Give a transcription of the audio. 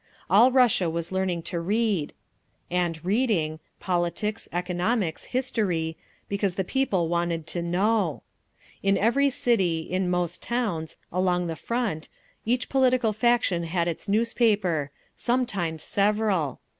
All Russia was learning to read, and reading—politics, economics, history—because the people wanted to know…. In every city, in most towns, along the Front, each political faction had its newspaper—sometimes several.